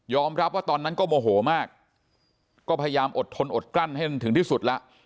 รับว่าตอนนั้นก็โมโหมากก็พยายามอดทนอดกลั้นให้ถึงที่สุดแล้ว